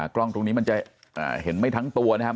กล้องตรงนี้มันจะเห็นไม่ทั้งตัวนะครับ